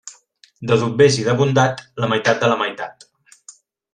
De doblers i de bondat, la meitat de la meitat.